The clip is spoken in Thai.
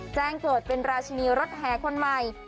แจ้งเกิดเป็นราชินีรถแห่คนใหม่